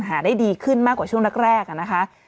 ได้ดีขึ้นมากกว่าช่วงแรกนะคะ